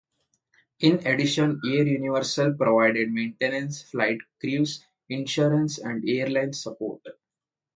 In addition, Air Universal provided maintenance, flight crews, insurance and airline support.